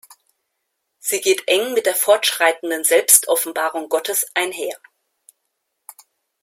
Sie geht eng mit der fortschreitenden Selbstoffenbarung Gottes einher.